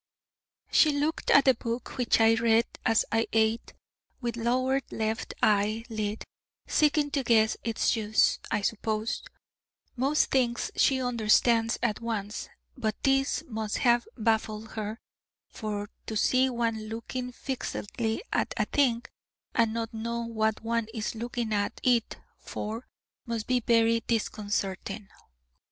She looked at the book, which I read as I ate, with lowered left eye lid, seeking to guess its use, I suppose. Most things she understands at once, but this must have baffled her: for to see one looking fixedly at a thing, and not know what one is looking at it for, must be very disconcerting.